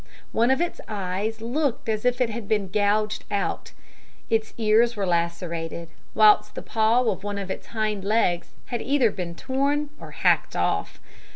One of its eyes looked as if it had been gouged out its ears were lacerated, whilst the paw of one of its hind legs had either been torn or hacked off.